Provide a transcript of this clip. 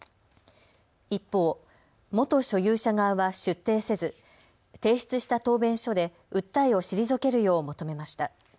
一方、元所有者側は出廷せず提出した答弁書で訴えを退けるよう求めました。